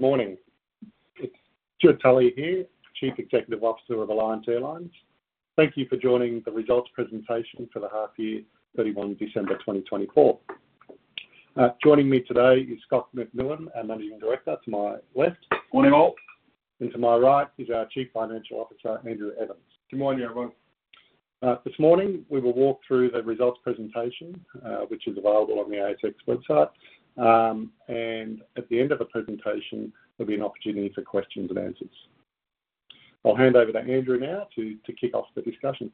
Good morning. It's Stewart Tully here, Chief Executive Officer of Alliance Airlines. Thank you for joining the Results Presentation for the Half-Year, 31 December 2024. Joining me today is Scott McMillan, our Managing Director, to my left. Good morning, all. To my right is our Chief Financial Officer, Andrew Evans. Good morning, everyone. This morning, we will walk through the results presentation, which is available on the ASX website. At the end of the presentation, there'll be an opportunity for questions and answers. I'll hand over to Andrew now to kick off the discussion.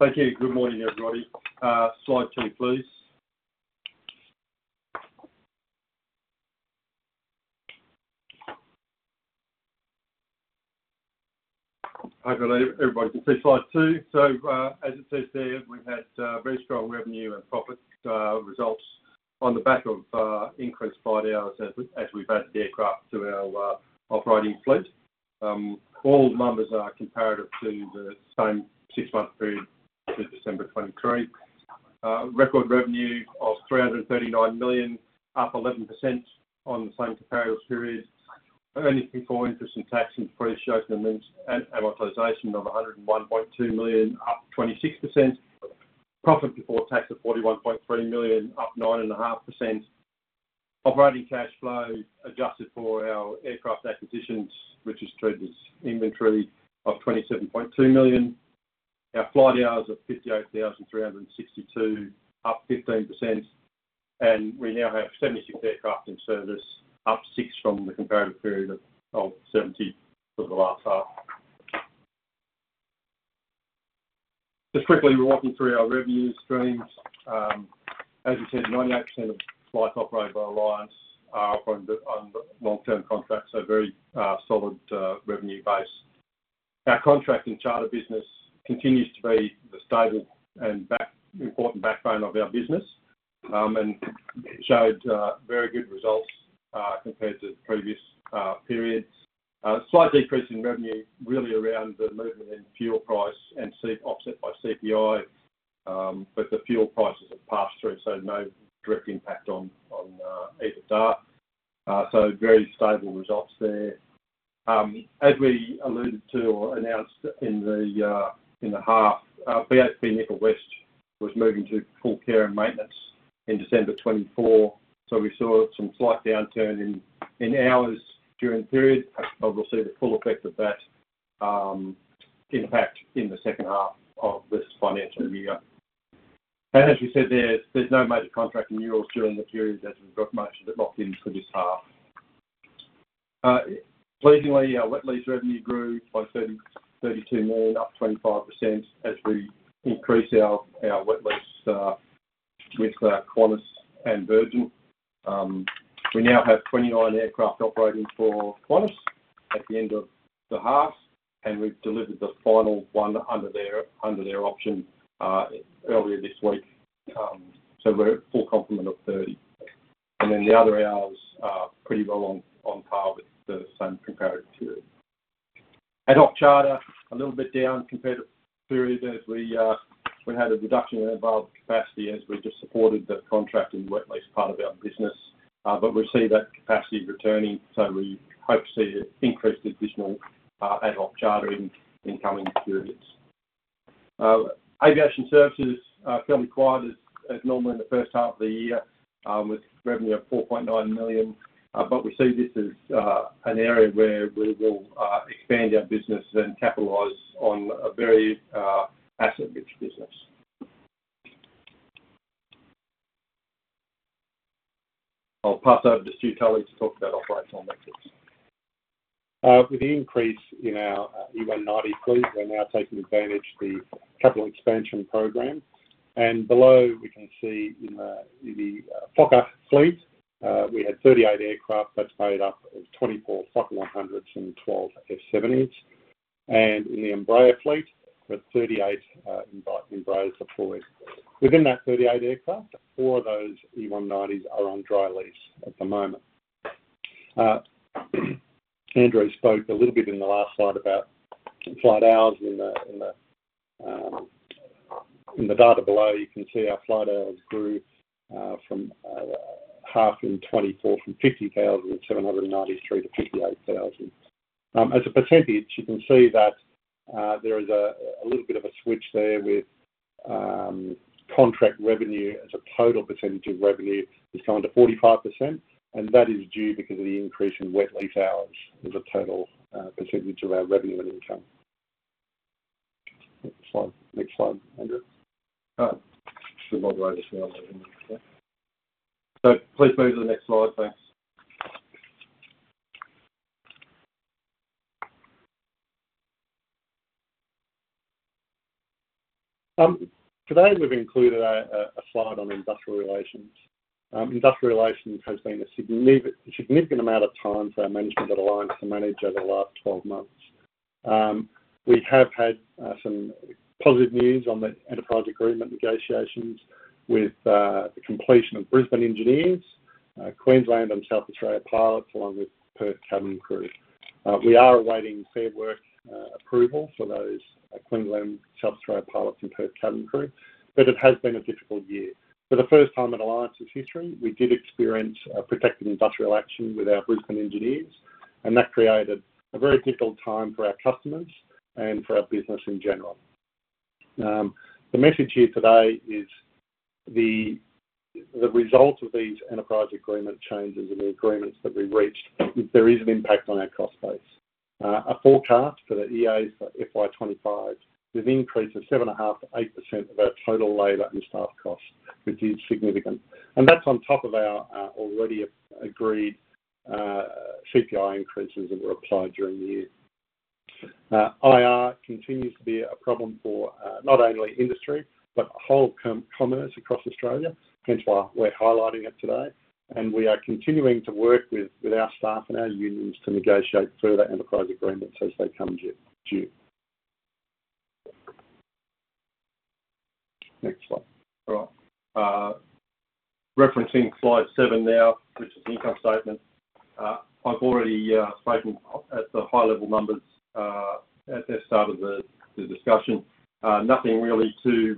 Thank you. Good morning, everybody. Slide two, please. I believe everybody can see slide two. As it says there, we had very strong revenue and profit results on the back of increased flight hours as we've added aircraft to our operating fleet. All numbers are comparative to the same six-month period to December 2023. Record revenue of 339 million, up 11% on the same comparative period. Earnings before interest and tax and depreciation amortization of 101.2 million, up 26%. Profit before tax of 41.3 million, up 9.5%. Operating cash flow adjusted for our aircraft acquisitions, which has traded inventory of 27.2 million. Our flight hours of 58,362, up 15%. We now have 76 aircraft in service, up six from the comparative period of 70 for the last half. Just quickly, we're walking through our revenue streams. As we said, 98% of flights operated by Alliance are operating on long-term contracts, so very solid revenue base. Our contract and charter business continues to be the stable and important backbone of our business and showed very good results compared to previous periods. Slight decrease in revenue, really around the movement in fuel price and offset by CPI, but the fuel prices have passed through, so no direct impact on either data. Very stable results there. As we alluded to or announced in the half, BHP Nickel West was moving to full care and maintenance in December 2024. We saw some slight downturn in hours during the period. I will see the full effect of that impact in the second half of this financial year. As we said there, there's no major contract renewals during the period as we've got most of it locked in for this half. Pleasingly, our wet lease revenue grew by 32 million, up 25% as we increased our wet lease with Qantas and Virgin. We now have 29 aircraft operating for Qantas at the end of the half, and we've delivered the final one under their option earlier this week. We're at full complement of 30. The other hours are pretty well on par with the same comparative period. Ad-hoc charter, a little bit down compared to the period as we had a reduction in our capacity as we just supported the contract and wet lease part of our business. We see that capacity returning, so we hope to see an increased additional ad-hoc charter in coming periods. Aviation services are fairly quiet as normal in the first half of the year with revenue of 4.9 million. We see this as an area where we will expand our business and capitalize on a very asset-rich business. I'll pass over to Stewart Tully to talk about operational metrics. With the increase in our E190 fleet, we're now taking advantage of the capital expansion program. Below, we can see in the Fokker fleet, we had 38 aircraft. That is made up of 24 Fokker 100s and 12 F70s. In the Embraer fleet, we had 38 Embraers deployed. Within that 38 aircraft, four of those E190s are on dry lease at the moment. Andrew spoke a little bit in the last slide about flight hours. In the data below, you can see our flight hours grew from half in 2024 from 50,793 to 58,000. As a percentage, you can see that there is a little bit of a switch there with contract revenue as a total percentage of revenue has gone to 45%. That is due because of the increase in wet lease hours as a total percentage of our revenue and income. Next slide, Andrew. All right. This is a moderator slide. Please move to the next slide, thanks. Today, we've included a slide on industrial relations. Industrial relations has been a significant amount of time for our management at Alliance to manage over the last 12 months. We have had some positive news on the enterprise agreement negotiations with the completion of Brisbane Engineers, Queensland, and South Australia pilots along with Perth cabin crew. We are awaiting fair work approval for those Queensland, South Australia pilots and Perth cabin crew. It has been a difficult year. For the first time in Alliance's history, we did experience a protective industrial action with our Brisbane Engineers. That created a very difficult time for our customers and for our business in general. The message here today is the result of these enterprise agreement changes and the agreements that we've reached, there is an impact on our cost base. A forecast for the EA for FY 2025 is an increase of 7.5%-8% of our total labor and staff costs, which is significant. That is on top of our already agreed CPI increases that were applied during the year. IR continues to be a problem for not only industry, but whole commerce across Australia. Hence why we are highlighting it today. We are continuing to work with our staff and our unions to negotiate further enterprise agreements as they come due. Next slide. All right. Referencing slide seven now, which is the income statement. I've already spoken at the high-level numbers at the start of the discussion. Nothing really too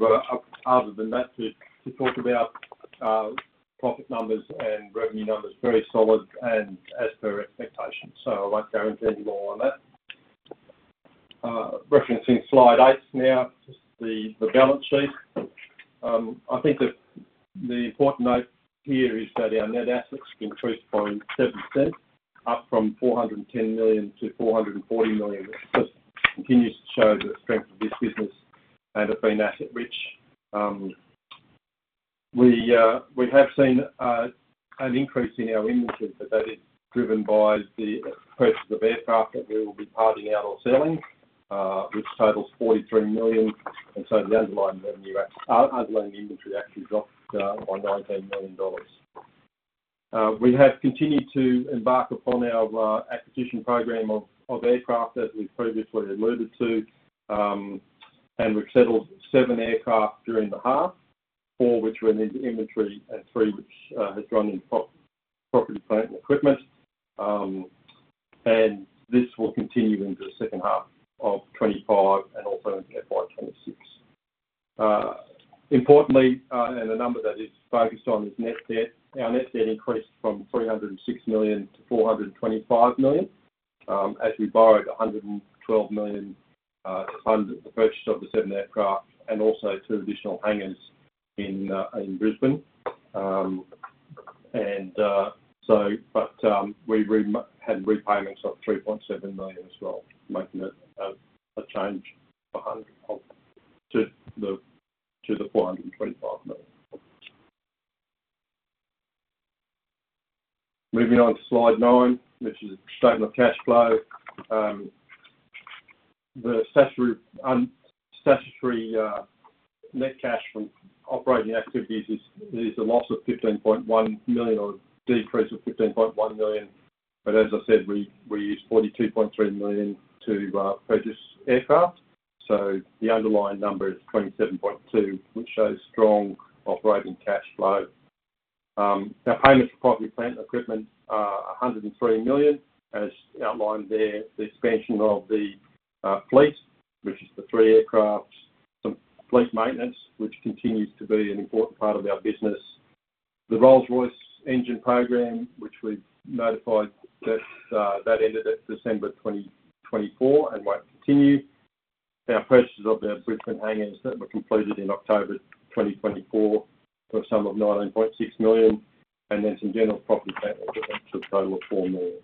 other than that to talk about. Profit numbers and revenue numbers, very solid and as per expectation. I won't go into any more on that. Referencing slide eight now, the balance sheet. I think the important note here is that our net assets have increased by 7%, up from 410 million to 440 million, which continues to show the strength of this business and have been asset-rich. We have seen an increase in our inventory, but that is driven by the purchase of aircraft that we will be tidying out or selling, which totals 43 million. The underlying inventory actually dropped by 19 million dollars. We have continued to embark upon our acquisition program of aircraft, as we've previously alluded to. We have settled seven aircraft during the half, four which were in inventory and three which have gone into property, plant, and equipment. This will continue into the second half of 2025 and also into FY 2026. Importantly, and a number that is focused on is net debt. Our net debt increased from 306 million to 425 million as we borrowed 112 million to fund the purchase of the seven aircraft and also two additional hangars in Brisbane. We had repayments of 3.7 million as well, making it a change of 425 million. Moving on to slide nine, which is the statement of cash flow. The statutory net cash from operating activities is a loss of 15.1 million or a decrease of 15.1 million. As I said, we used 42.3 million to purchase aircraft. The underlying number is 27.2 million, which shows strong operating cash flow. Now, payments for property, plant, equipment are 103 million, as outlined there, the expansion of the fleet, which is the three aircraft, some fleet maintenance, which continues to be an important part of our business. The Rolls-Royce engine program, which we've notified that ended at December 2024 and won't continue. Our purchases of the Brisbane hangars that were completed in October 2024 were a sum of 19.6 million. Then some general property, plant, equipment to a total of 4 million.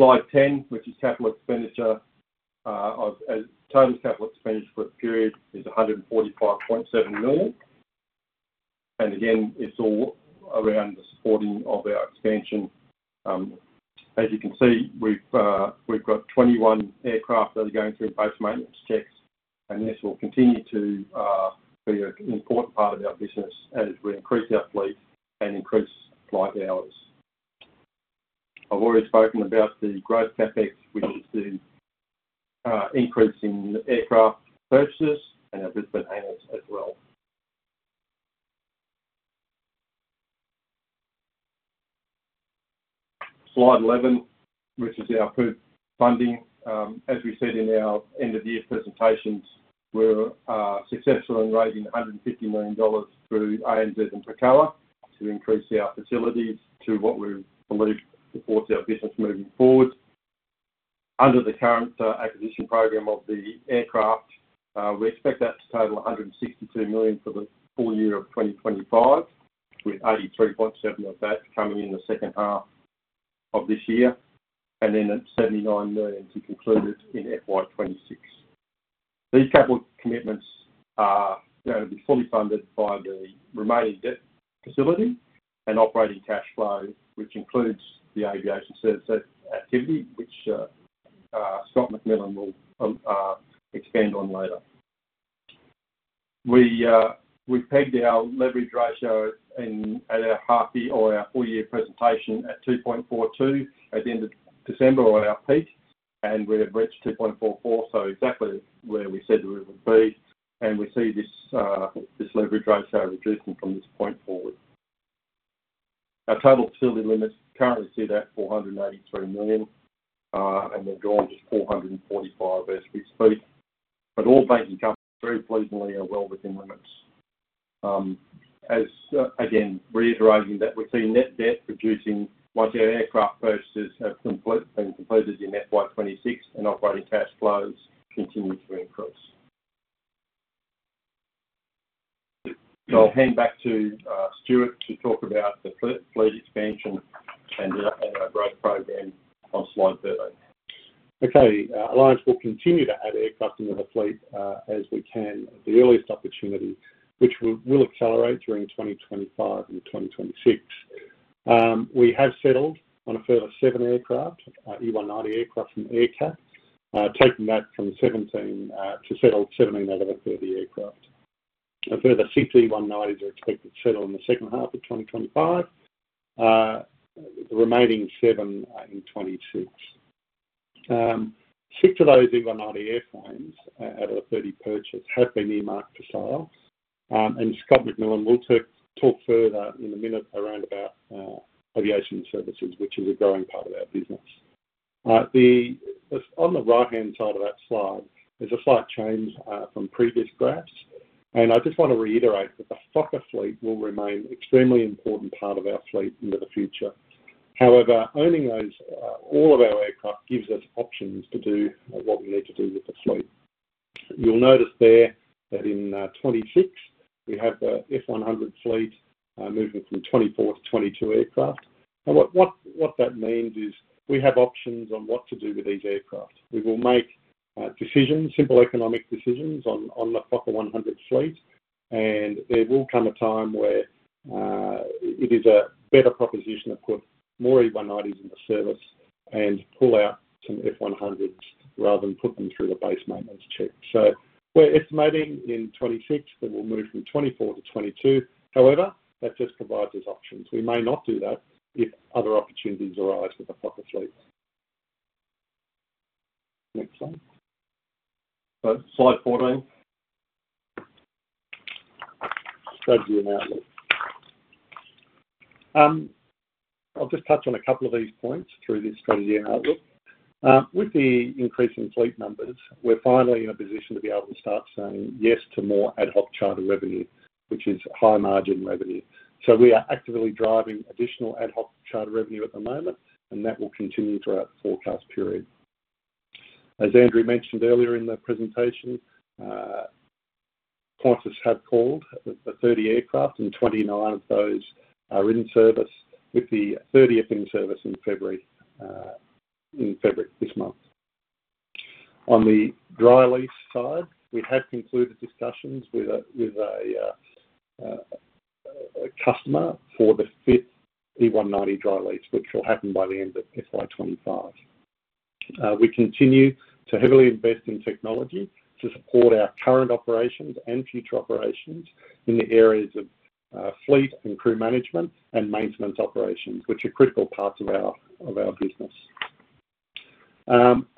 Slide 10, which is capital expenditure. Total capital expenditure for the period is 145.7 million. Again, it's all around the supporting of our expansion. As you can see, we've got 21 aircraft that are going through basement maintenance checks. This will continue to be an important part of our business as we increase our fleet and increase flight hours. I've already spoken about the growth CapEx, which is the increase in aircraft purchases and our Brisbane hangars as well. Slide 11, which is our funding. As we said in our end-of-year presentations, we were successful in raising 150 million dollars through ANZ and Procall Private Capital to increase our facilities to what we believe supports our business moving forward. Under the current acquisition program of the aircraft, we expect that to total 162 million for the full year of 2025, with 83.7 million coming in the second half of this year, and then 79 million to conclude it in FY 2026. These capital commitments are going to be fully funded by the remaining debt facility and operating cash flow, which includes the aviation services activity, which Scott McMillan will expand on later. We've pegged our leverage ratio at our half year or our full year presentation at 2.42 at the end of December on our peak. We have reached 2.44, so exactly where we said we would be. We see this leverage ratio reducing from this point forward. Our total facility limits currently sit at 483 million, and we've drawn just 445 million last week. All banking companies very pleasingly are well within limits. Again, reiterating that we see net debt reducing once our aircraft purchases have been completed in FY 2026, and operating cash flows continue to increase. I'll hand back to Stewart to talk about the fleet expansion and our growth program on slide 13. Okay. Alliance will continue to add aircraft into the fleet as we can at the earliest opportunity, which will accelerate during 2025 and 2026. We have settled on a further seven aircraft, E190 aircraft from Aercap, taking that from 17 to settle 17 of the 30 aircraft. A further six E190s are expected to settle in the second half of 2025, the remaining seven in 2026. Six of those E190 airplanes out of the 30 purchased have been earmarked for sale. Scott McMillan will talk further in a minute around aviation services, which is a growing part of our business. On the right-hand side of that slide, there is a slight change from previous graphs. I just want to reiterate that the Fokker fleet will remain an extremely important part of our fleet into the future. However, owning all of our aircraft gives us options to do what we need to do with the fleet. You will notice there that in 2026, we have the F100 fleet moving from 24 to 22 aircraft. What that means is we have options on what to do with these aircraft. We will make decisions, simple economic decisions on the Fokker 100 fleet. There will come a time where it is a better proposition to put more E190s in the service and pull out some F100s rather than put them through the basement maintenance check. We are estimating in 2026 that we will move from 24 to 22. However, that just provides us options. We may not do that if other opportunities arise with the Fokker fleet. Next slide. Slide 14. Strategy and outlook. I'll just touch on a couple of these points through this strategy and outlook. With the increase in fleet numbers, we're finally in a position to be able to start saying yes to more ad-hoc charter revenue, which is high-margin revenue. We are actively driving additional ad-hoc charter revenue at the moment, and that will continue throughout the forecast period. As Andrew mentioned earlier in the presentation, Qantas have called the 30 aircraft, and 29 of those are in service, with the 30th in service in February this month. On the dry lease side, we have concluded discussions with a customer for the fifth E190 dry lease, which will happen by the end of FY 2025. We continue to heavily invest in technology to support our current operations and future operations in the areas of fleet and crew management and maintenance operations, which are critical parts of our business.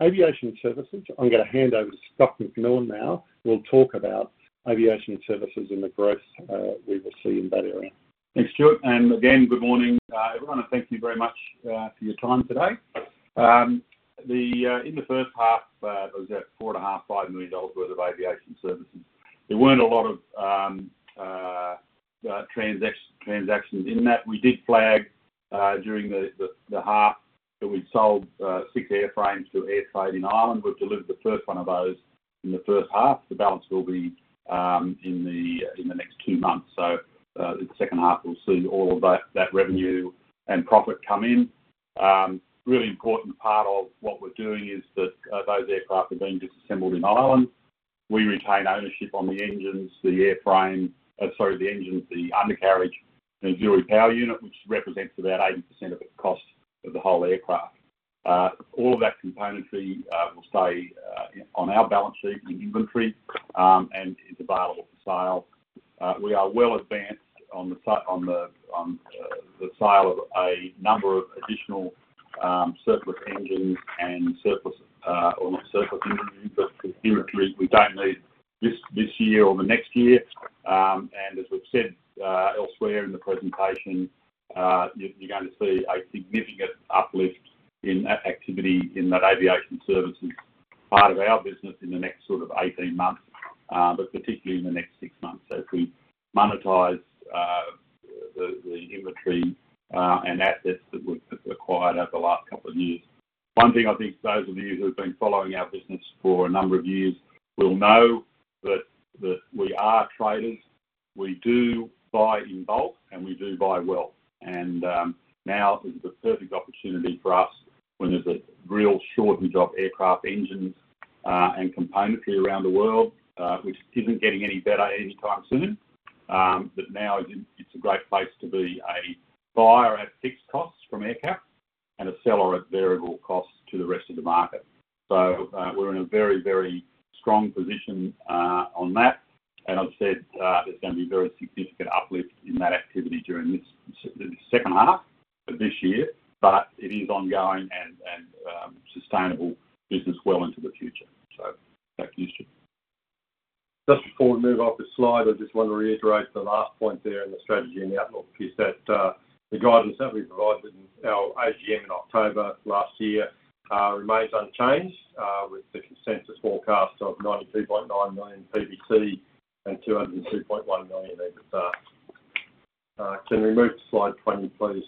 Aviation services, I'm going to hand over to Scott McMillan now. We'll talk about aviation services and the growth we will see in that area. Thanks, Stewart. Good morning, everyone. Thank you very much for your time today. In the first half, it was about 4.5 million dollars worth of aviation services. There were not a lot of transactions in that. We did flag during the half that we had sold six airframes to Air Trade in Ireland. We have delivered the first one of those in the first half. The balance will be in the next two months. The second half will see all of that revenue and profit come in. A really important part of what we are doing is that those aircraft are being disassembled in Ireland. We retain ownership on the engines, the undercarriage, and auxiliary power unit, which represents about 80% of the cost of the whole aircraft. All of that componentry will stay on our balance sheet in inventory and is available for sale. We are well advanced on the sale of a number of additional surplus engines and surplus or not surplus engines, but inventory we do not need this year or the next year. As we have said elsewhere in the presentation, you are going to see a significant uplift in activity in that aviation services part of our business in the next sort of 18 months, particularly in the next six months as we monetize the inventory and assets that we have acquired over the last couple of years. One thing I think those of you who have been following our business for a number of years will know is that we are traders. We do buy in bulk, and we do buy well. Now is the perfect opportunity for us when there is a real shortage of aircraft engines and componentry around the world, which is not getting any better anytime soon. Now it's a great place to be a buyer at fixed costs from Aercap and a seller at variable costs to the rest of the market. We're in a very, very strong position on that. I've said there's going to be a very significant uplift in that activity during this second half of this year, but it is ongoing and sustainable business well into the future. Thank you, Stewart. Just before we move off the slide, I want to reiterate the last point there in the strategy and the outlook, which is that the guidance we provided in our AGM in October last year remains unchanged with the consensus forecast of 92.9 million CBC and 202.1 million EBITDA. Can we move to slide 20, please,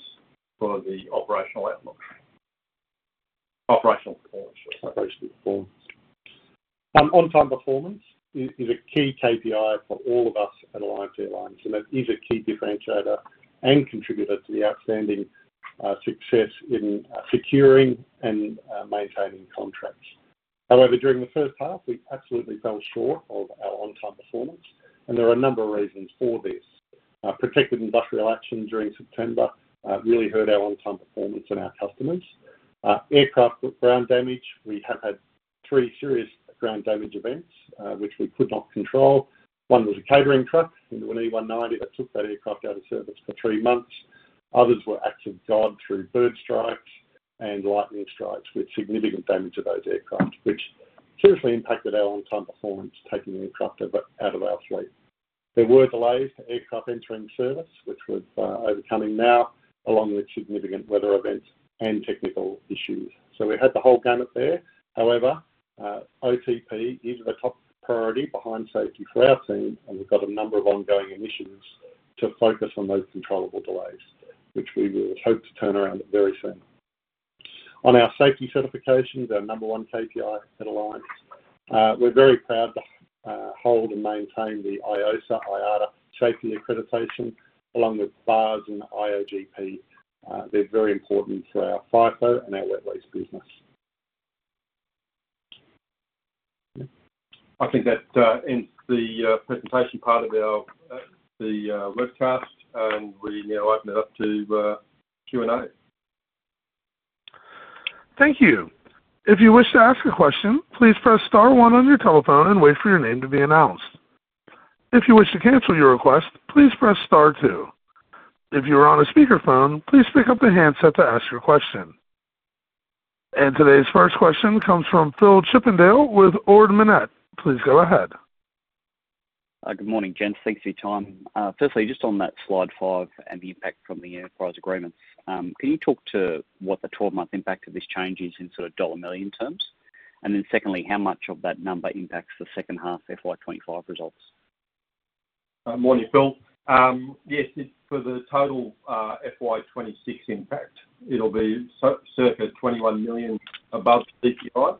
for the operational outlook? Operational performance, sure. Operational performance. On-time performance is a key KPI for all of us at Alliance Airlines. That is a key differentiator and contributor to the outstanding success in securing and maintaining contracts. However, during the first half, we absolutely fell short of our on-time performance. There are a number of reasons for this. Protected industrial action during September really hurt our on-time performance and our customers. Aircraft ground damage, we have had three serious ground damage events which we could not control. One was a catering truck into an E190 that took that aircraft out of service for three months. Others were acts of God through bird strikes and lightning strikes with significant damage to those aircraft, which seriously impacted our on-time performance, taking the aircraft out of our fleet. There were delays to aircraft entering service, which we're overcoming now, along with significant weather events and technical issues. We had the whole gamut there. However, OTP is the top priority behind safety for our team. We have a number of ongoing initiatives to focus on those controllable delays, which we will hope to turn around very soon. On our safety certifications, our number one KPI at Alliance, we are very proud to hold and maintain the IOSA IATA safety accreditation, along with BARS and IOGP. They are very important for our FIFO and our wet lease business. I think that ends the presentation part of the webcast. We now open it up to Q&A. Thank you. If you wish to ask a question, please press star one on your telephone and wait for your name to be announced. If you wish to cancel your request, please press star two. If you are on a speakerphone, please pick up the handset to ask your question. Today's first question comes from Phil Chippendale with Ord Minnett. Please go ahead. Good morning. Thanks for your time. Firstly, just on that slide five and the impact from the enterprise agreements, can you talk to what the 12-month impact of this change is in sort of dollar million terms? Secondly, how much of that number impacts the second half FY 2025 results? Morning, Phil. Yes, for the total FY 2026 impact, it'll be circa 21 million above CPI.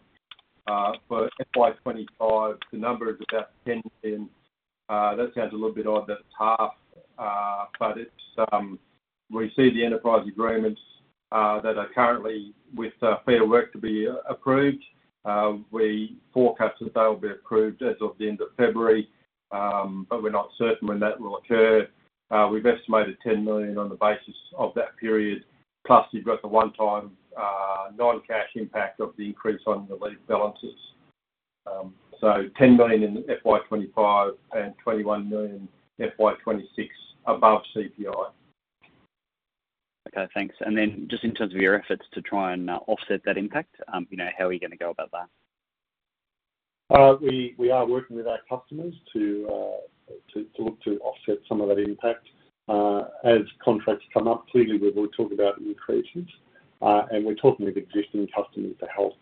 For FY 2025, the number is about 10 million. That sounds a little bit odd that it's half, but we see the enterprise agreements that are currently with Fair Work to be approved. We forecast that they will be approved as of the end of February, but we're not certain when that will occur. We've estimated 10 million on the basis of that period. Plus, you've got the one-time non-cash impact of the increase on the lease balances. 10 million in FY 2025 and 21 million FY 2026 above CPI. Okay, thanks. In terms of your efforts to try and offset that impact, how are you going to go about that? We are working with our customers to look to offset some of that impact. As contracts come up, clearly, we will talk about increases. We are talking with existing customers to help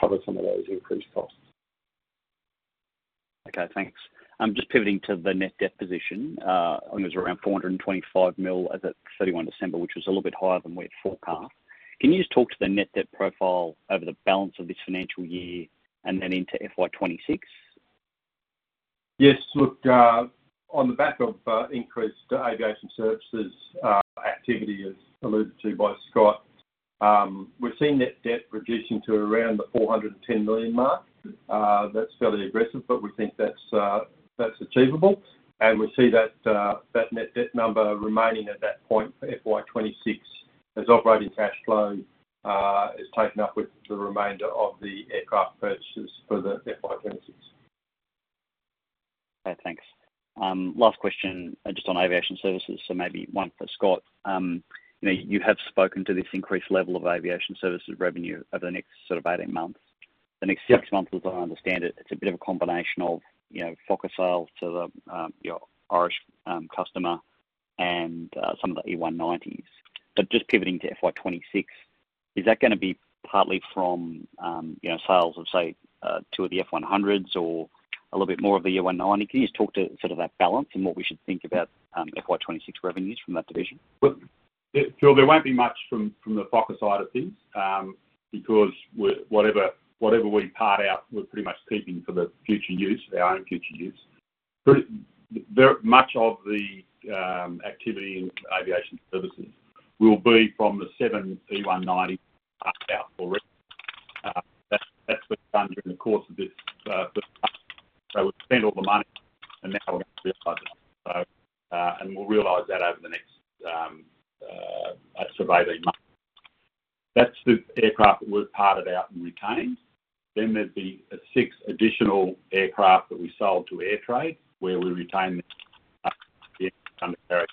cover some of those increased costs. Okay, thanks. Just pivoting to the net debt position, it was around 425 million as of 31 December, which was a little bit higher than we had forecast. Can you just talk to the net debt profile over the balance of this financial year and then into FY 2026? Yes. Look, on the back of increased aviation services activity, as alluded to by Scott, we've seen net debt reducing to around 410 million. That's fairly aggressive, but we think that's achievable. We see that net debt number remaining at that point for FY 2026, as operating cash flow is taken up with the remainder of the aircraft purchases for FY 2026. Okay, thanks. Last question just on aviation services, so maybe one for Scott. You have spoken to this increased level of aviation services revenue over the next sort of 18 months. The next six months, as I understand it, it's a bit of a combination of Fokker sales to your Irish customer and some of the E190s. Just pivoting to FY 2026, is that going to be partly from sales of, say, two of the F100s or a little bit more of the E190? Can you just talk to sort of that balance and what we should think about FY 2026 revenues from that division? Look, Phil, there won't be much from the Fokker side of things because whatever we part out, we're pretty much keeping for the future use, our own future use. Much of the activity in aviation services will be from the seven E190s out for rental. That's been done during the course of this first half. We've spent all the money, and now we're going to realize that. We'll realize that over the next sort of 18 months. That's the aircraft that we've parted out and retained. There would be a sixth additional aircraft that we sold to Air Trade, where we retain the undercarriage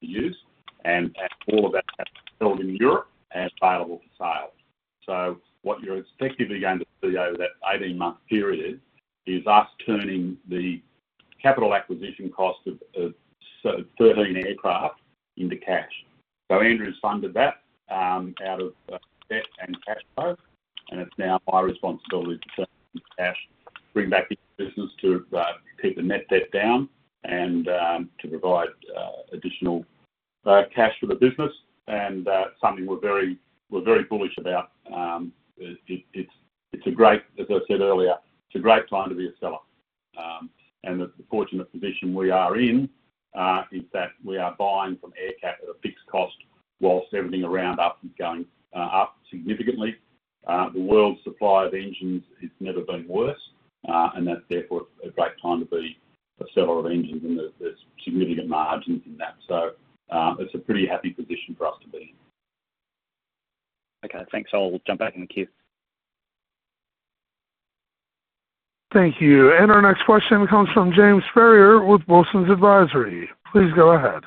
to use. All of that is held in Europe and available for sale. What you're effectively going to see over that 18-month period is us turning the capital acquisition cost of 13 aircraft into cash. Andrew's funded that out of debt and cash flow. It is now my responsibility to turn into cash, bring back into business, to keep the net debt down, and to provide additional cash for the business. Something we are very bullish about, it is a great, as I said earlier, it is a great time to be a seller. The fortunate position we are in is that we are buying from Aercap at a fixed cost whilst everything around us is going up significantly. The world's supply of engines has never been worse. That is, therefore, a great time to be a seller of engines, and there are significant margins in that. It is a pretty happy position for us to be in. Okay, thanks. I'll jump back in the queue. Thank you. Our next question comes from James Ferrier with Wilsons Advisory. Please go ahead.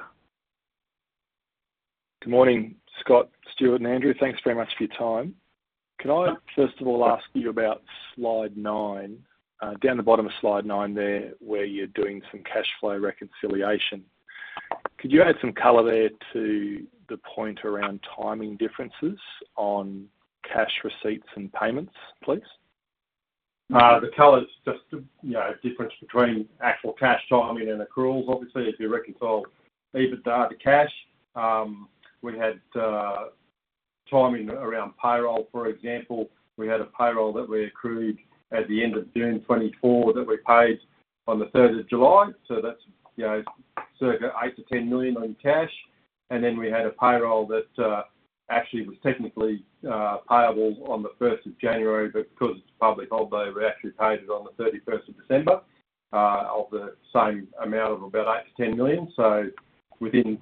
Good morning, Scott, Stewart, and Andrew. Thanks very much for your time. Can I, first of all, ask you about slide nine, down the bottom of slide nine there, where you're doing some cash flow reconciliation? Could you add some color there to the point around timing differences on cash receipts and payments, please? The color's just a difference between actual cash timing and accruals, obviously, as we reconcile EBITDA to cash. We had timing around payroll. For example, we had a payroll that we accrued at the end of June 2024 that we paid on the 3rd of July. That is circa 8 million-10 million in cash. We had a payroll that actually was technically payable on the 1st of January, but because it is a public holiday, we actually paid it on the 31st of December of the same amount of about 8 million-10 million. Within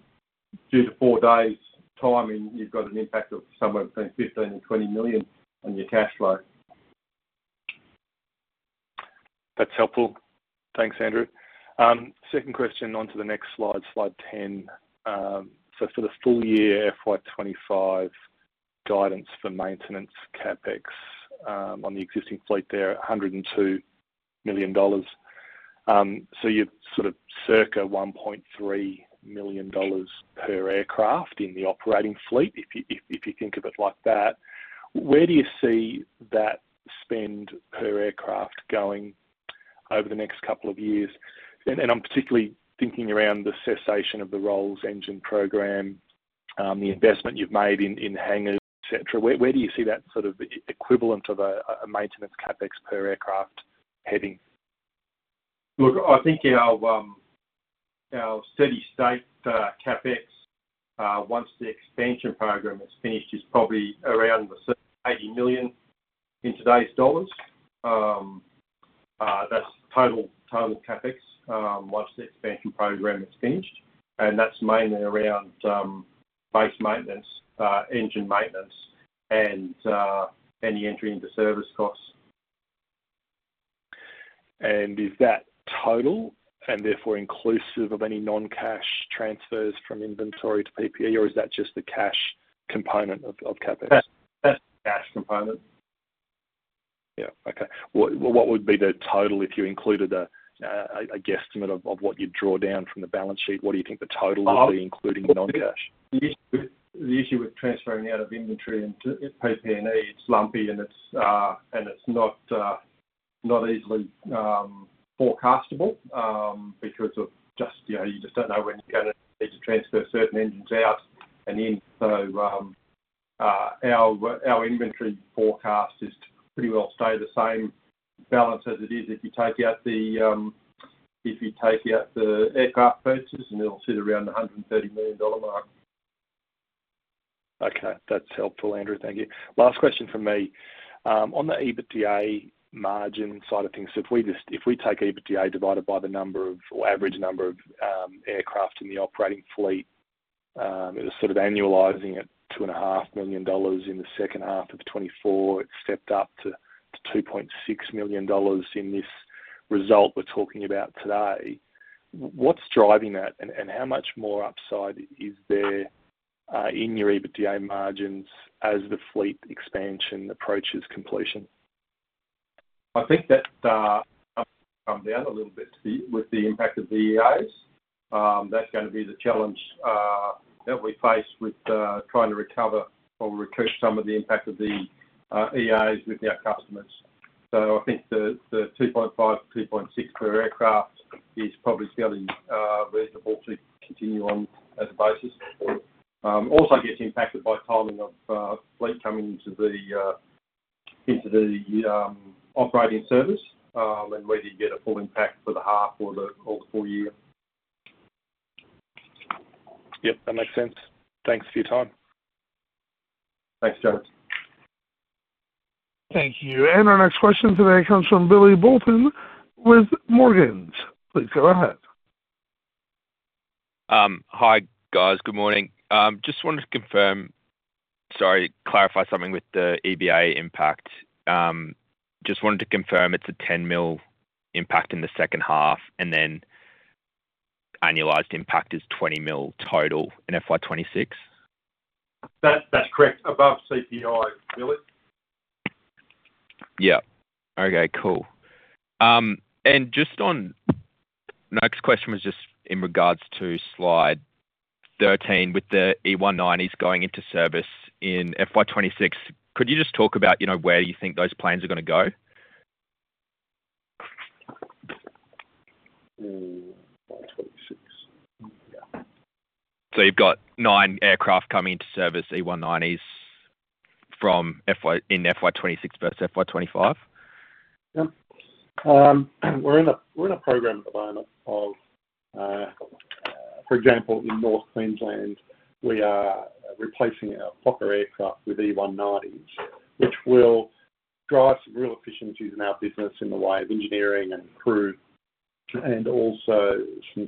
two to four days' timing, you have an impact of somewhere between 15 million-20 million on your cash flow. That's helpful. Thanks, Andrew. Second question onto the next slide, slide 10. For the full year FY 2025 guidance for maintenance CapEx on the existing fleet there, 102 million dollars. You have sort of circa 1.3 million dollars per aircraft in the operating fleet, if you think of it like that. Where do you see that spend per aircraft going over the next couple of years? I am particularly thinking around the cessation of the Rolls-Royce engine program, the investment you have made in hangars, etc. Where do you see that sort of equivalent of a maintenance CapEx per aircraft heading? Look, I think our steady state CapEx, once the expansion program is finished, is probably around 80 million in today's dollars. That's total CapEx once the expansion program is finished. That's mainly around base maintenance, engine maintenance, and the entry into service costs. Is that total and therefore inclusive of any non-cash transfers from inventory to PPE, or is that just the cash component of CapEx? That's the cash component. Yeah. Okay. What would be the total if you included a guesstimate of what you'd draw down from the balance sheet? What do you think the total would be, including non-cash? The issue with transferring out of inventory into PP&E, it's lumpy, and it's not easily forecastable because you just don't know when you're going to need to transfer certain engines out and in. Our inventory forecast is to pretty well stay the same balance as it is if you take out the aircraft purchase, and it'll sit around the 130 million dollar mark. Okay. That's helpful, Andrew. Thank you. Last question from me. On the EBITDA margin side of things, if we take EBITDA divided by the number of or average number of aircraft in the operating fleet, sort of annualizing at 2.5 million dollars in the second half of 2024, it has stepped up to 2.6 million dollars in this result we are talking about today. What is driving that, and how much more upside is there in your EBITDA margins as the fleet expansion approaches completion? I think that comes down a little bit with the impact of the EAs. That's going to be the challenge that we face with trying to recover or recoup some of the impact of the EAs with our customers. I think the 2.5-2.6 per aircraft is probably fairly reasonable to continue on as a basis. Also gets impacted by timing of fleet coming into the operating service and whether you get a full impact for the half or the full year. Yep, that makes sense. Thanks for your time. Thanks, Jones. Thank you. Our next question today comes from Billy Boulton with Morgans. Please go ahead. Hi, guys. Good morning. Just wanted to confirm, sorry, clarify something with the EBA impact. Just wanted to confirm it's a 10 million impact in the second half, and then annualized impact is 20 million total in FY 2026? That's correct. Above CPI, really. Yeah. Okay, cool. Just on next question was just in regards to slide 13 with the E190s going into service in FY 2026, could you just talk about where you think those planes are going to go? FY 2026. You've got nine aircraft coming into service, E190s in FY 2026 versus FY 2025? Yep. We're in a program at the moment of, for example, in North Queensland, we are replacing our Fokker aircraft with E190s, which will drive some real efficiencies in our business in the way of engineering and crew, and also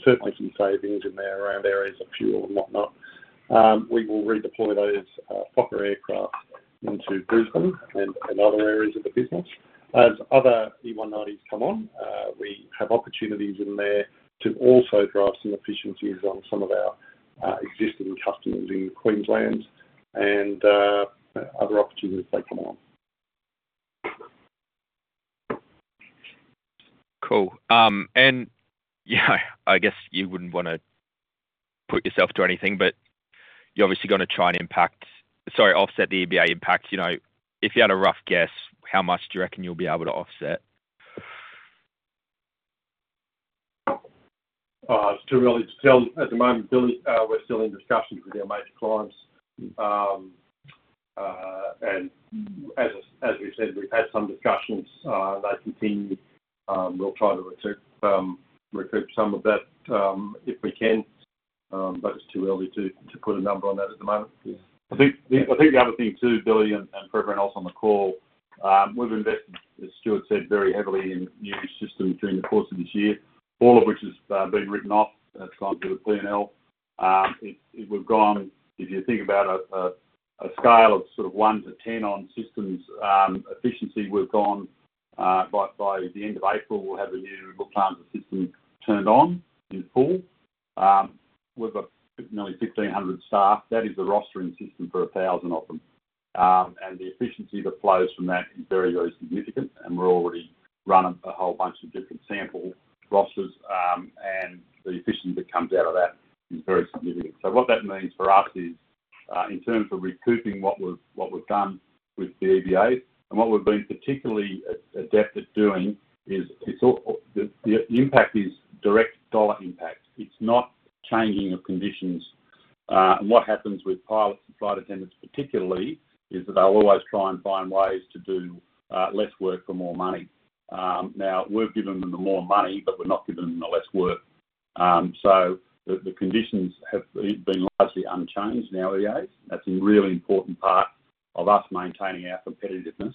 certainly some savings in there around areas of fuel and whatnot. We will redeploy those Fokker aircraft into Brisbane and other areas of the business. As other E190s come on, we have opportunities in there to also drive some efficiencies on some of our existing customers in Queensland and other opportunities as they come along. Cool. Yeah, I guess you would not want to put yourself through anything, but you are obviously going to try and impact, sorry, offset the EBA impact. If you had a rough guess, how much do you reckon you will be able to offset? It's too early to tell. At the moment, Billy, we're still in discussions with our major clients. As we said, we've had some discussions. They continue. We'll try to recoup some of that if we can, but it's too early to put a number on that at the moment. I think the other thing too, Billy, and for everyone else on the call, we've invested, as Stewart said, very heavily in new systems during the course of this year, all of which has been written off at times with the P&L. If you think about a scale of sort of 1 to 10 on systems efficiency, we've gone by the end of April, we'll have a new look after the system turned on in full. We've got nearly 1,500 staff. That is a rostering system for 1,000 of them. The efficiency that flows from that is very, very significant. We're already running a whole bunch of different sample rosters, and the efficiency that comes out of that is very significant. What that means for us is, in terms of recouping what we've done with the EBAs, and what we've been particularly adept at doing is the impact is direct dollar impact. It's not changing of conditions. What happens with pilots and flight attendants, particularly, is that they'll always try and find ways to do less work for more money. Now, we've given them the more money, but we're not giving them the less work. The conditions have been largely unchanged in our EBAs. That's a really important part of us maintaining our competitiveness.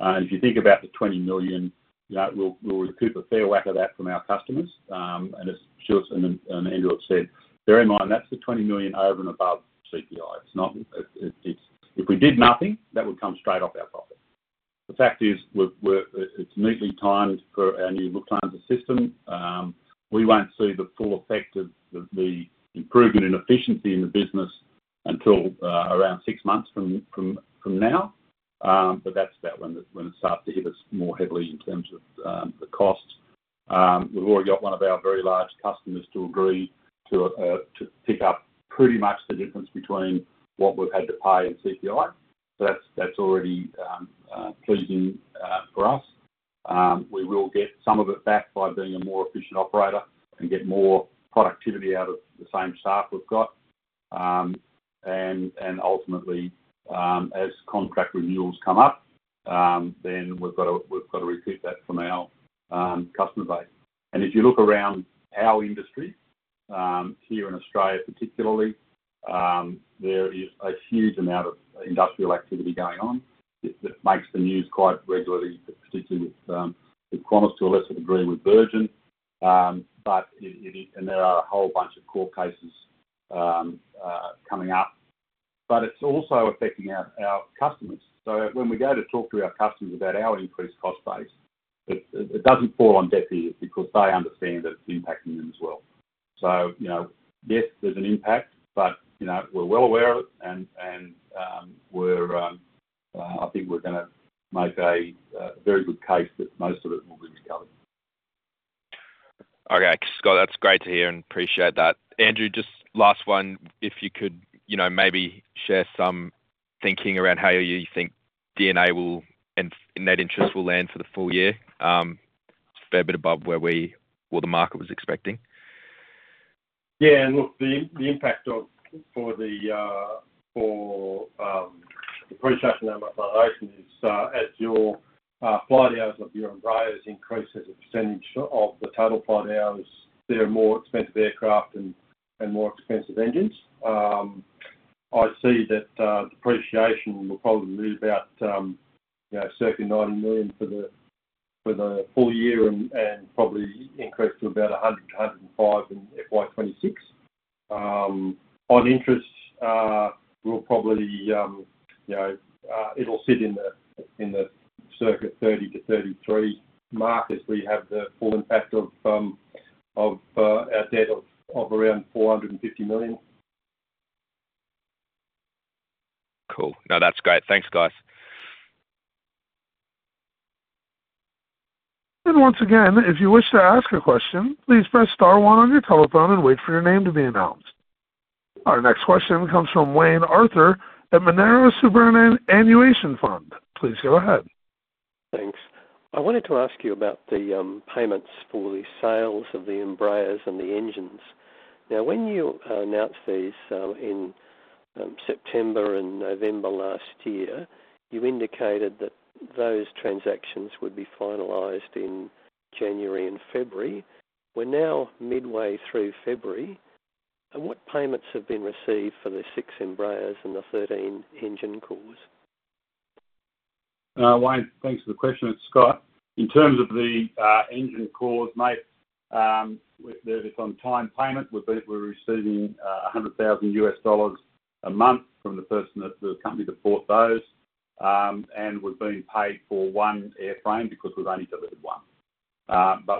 If you think about the 20 million, we'll recoup a fair whack of that from our customers. As Stewart and Andrew have said, bear in mind, that's the 20 million over and above CPI. If we did nothing, that would come straight off our profit. The fact is, it's neatly timed for our new look transfer system. We won't see the full effect of the improvement in efficiency in the business until around six months from now. That is about when it starts to hit us more heavily in terms of the cost. We've already got one of our very large customers to agree to pick up pretty much the difference between what we've had to pay in CPI. That is already pleasing for us. We will get some of it back by being a more efficient operator and get more productivity out of the same staff we've got. Ultimately, as contract renewals come up, then we've got to recoup that from our customer base. If you look around our industry, here in Australia particularly, there is a huge amount of industrial activity going on that makes the news quite regularly, particularly with Qantas, to a lesser degree with Virgin. There are a whole bunch of court cases coming up. It is also affecting our customers. When we go to talk to our customers about our increased cost base, it does not fall on deaf ears because they understand that it is impacting them as well. Yes, there is an impact, but we are well aware of it. I think we are going to make a very good case that most of it will be recovered. Okay, Scott, that's great to hear and appreciate that. Andrew, just last one, if you could maybe share some thinking around how you think DNA will, in that interest, will land for the full year, fair bit above where the market was expecting. Yeah. Look, the impact for the depreciation amortization is, as your flight hours of your Embraer has increased as a percentage of the total flight hours, there are more expensive aircraft and more expensive engines. I see that depreciation will probably be about 90 million for the full year and probably increase to about 100 million-105 million in FY 2026. On interest, we'll probably it'll sit in the circa 30 million-33 million mark as we have the full impact of our debt of around 450 million. Cool. No, that's great. Thanks, guys. Once again, if you wish to ask a question, please press star one on your telephone and wait for your name to be announced. Our next question comes from Wayne Arthur at Monaro Suburban Annuation Fund. Please go ahead. Thanks. I wanted to ask you about the payments for the sales of the Embraers and the engines. Now, when you announced these in September and November last year, you indicated that those transactions would be finalized in January and February. We're now midway through February. What payments have been received for the six Embraers and the 13 engine cores? Wayne, thanks for the question. It's Scott. In terms of the engine cores, mate, it's on time payment. We're receiving $100,000 US dollars a month from the person that the company that bought those. And we've been paid for one airframe because we've only delivered one.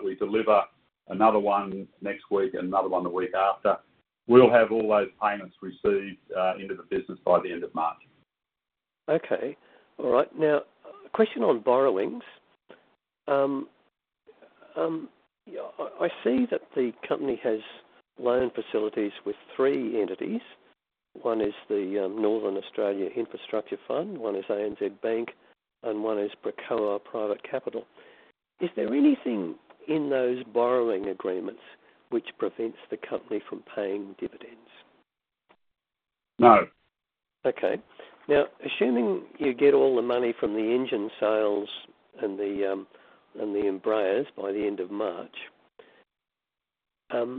We deliver another one next week and another one the week after. We'll have all those payments received into the business by the end of March. Okay. All right. Now, a question on borrowings. I see that the company has loan facilities with three entities. One is the Northern Australia Infrastructure Fund, one is ANZ Bank, and one is Procall Private Capital. Is there anything in those borrowing agreements which prevents the company from paying dividends? No. Okay. Now, assuming you get all the money from the engine sales and the Embraers by the end of March, if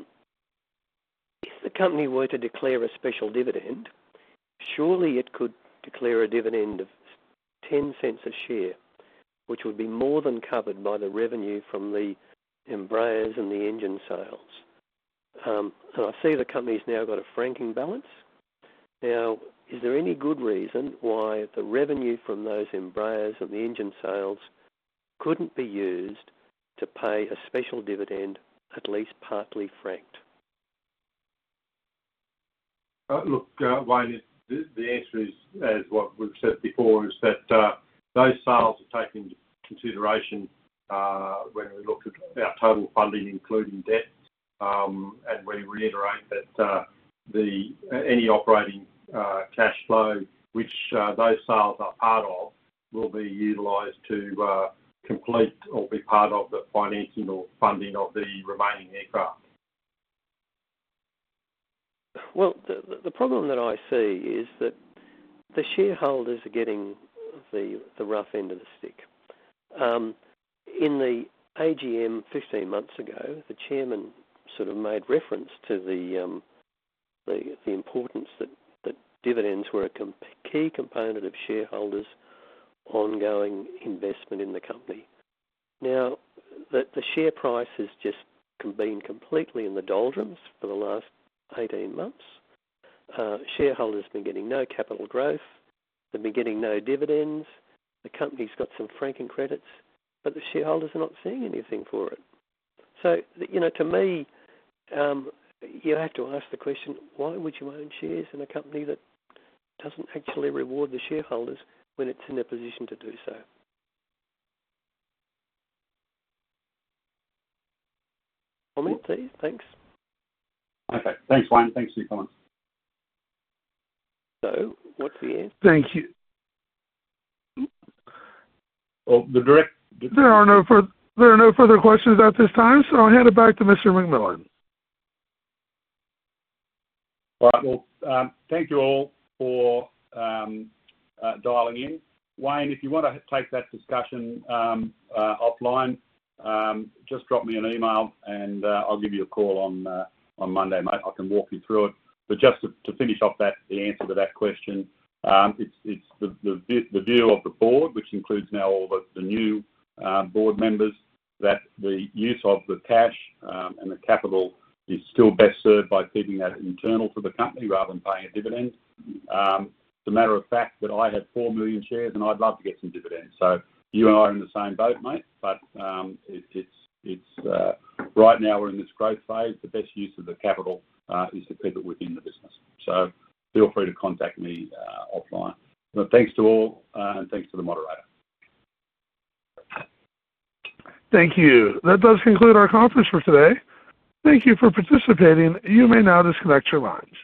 the company were to declare a special dividend, surely it could declare a dividend of 0.10 a share, which would be more than covered by the revenue from the Embraers and the engine sales. I see the company's now got a franking balance. Is there any good reason why the revenue from those Embraers and the engine sales could not be used to pay a special dividend, at least partly franked? Look, Wayne, the answer is, as what we've said before, is that those sales are taken into consideration when we look at our total funding, including debt. We reiterate that any operating cash flow, which those sales are part of, will be utilized to complete or be part of the financing or funding of the remaining aircraft. The problem that I see is that the shareholders are getting the rough end of the stick. In the AGM 15 months ago, the chairman sort of made reference to the importance that dividends were a key component of shareholders' ongoing investment in the company. Now, the share price has just been completely in the doldrums for the last 18 months. Shareholders have been getting no capital growth. They've been getting no dividends. The company's got some franking credits, but the shareholders are not seeing anything for it. To me, you have to ask the question, why would you own shares in a company that doesn't actually reward the shareholders when it's in their position to do so? Comment, please. Thanks. Okay. Thanks, Wayne. Thanks for your comments. What's the answer? Thank you. Oh, the direct. There are no further questions at this time, so I'll hand it back to Mr. McMillan. All right. Thank you all for dialing in. Wayne, if you want to take that discussion offline, just drop me an email, and I'll give you a call on Monday, mate. I can walk you through it. Just to finish off that, the answer to that question, it's the view of the board, which includes now all the new board members, that the use of the cash and the capital is still best served by keeping that internal to the company rather than paying a dividend. As a matter of fact, I have 4 million shares, and I'd love to get some dividends. You and I are in the same boat, mate. Right now, we're in this growth phase. The best use of the capital is to keep it within the business. Feel free to contact me offline. Thanks to all, and thanks to the moderator. Thank you. That does conclude our conference for today. Thank you for participating. You may now disconnect your lines.